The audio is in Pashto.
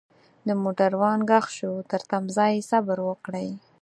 دموټروان ږغ شو ترتمځای صبروکړئ.